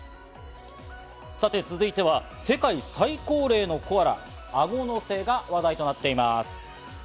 さて続いては世界最高齢のコアラ、あご乗せが話題となっています。